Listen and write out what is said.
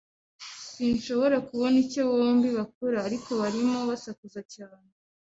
Sinshobora kubona icyo bombi bakora, ariko barimo basakuza cyane